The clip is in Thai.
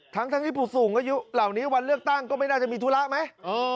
ทั้งที่ผู้สูงอายุเหล่านี้วันเลือกตั้งก็ไม่น่าจะมีธุระไหม